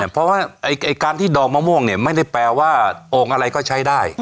เพราะว่าการที่ดองมะม่วงเนี่ยไม่ได้แปลว่าโอ่งอะไรก็ใช้ได้